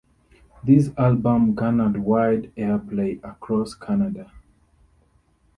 This album garnered wide airplay across Canada.